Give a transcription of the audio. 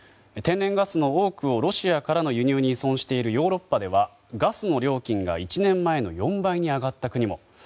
天然ガスの多くをロシアからの輸入に依存しているヨーロッパではガスの料金が１年前の４倍に上がった国も。